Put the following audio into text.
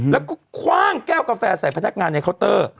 แล้วก็คว่างแก้วกาแฟใส่พนักงานในเคาน์เตอร์